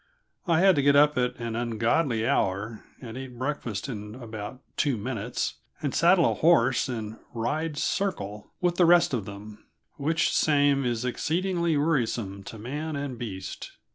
I had to get up at an ungodly hour, and eat breakfast in about two minutes, and saddle a horse and "ride circle" with the rest of them which same is exceeding wearisome to man and beast.